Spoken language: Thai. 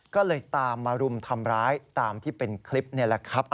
ก็เลยตามมารุมทำร้ายตามที่เป็นคลิปนี่แหละครับ